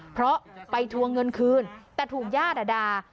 เพราะไปทวงเงินคืนแต่ถูกญาติด่า